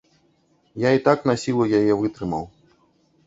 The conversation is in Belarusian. Я і так насілу яе вытрымаў.